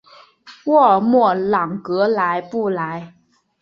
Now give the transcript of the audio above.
沃尔默朗格莱布莱。